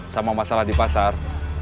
sama masalah di pasar